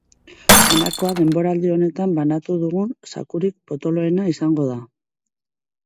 Honakoa denboraldi honetan banatu dugun zakurik potoloena izango da.